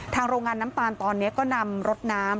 โรงงานน้ำตาลตอนนี้ก็นำรถน้ำ